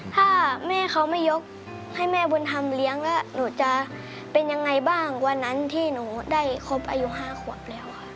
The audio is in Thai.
ถ้าแม่เขาไม่ยกให้แม่บุญธรรมเลี้ยงแล้วหนูจะเป็นยังไงบ้างวันนั้นที่หนูได้ครบอายุ๕ขวบแล้วค่ะ